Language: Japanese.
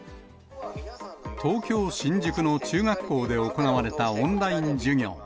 東京・新宿の中学校で行われたオンライン授業。